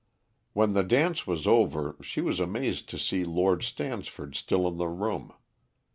When the dance was over, she was amazed to see Lord Stansford still in the room.